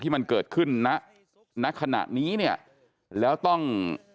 มันเกิดขึ้นณขณะนี้เนี่ยแล้วต้อง